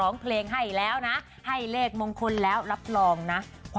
นี่นะก็มีพี่ฮายด้วยนะคะ